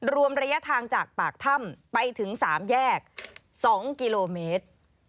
รวมระยะทางจากปากถ้ำไปถึง๓แยก๒กิโลเมตร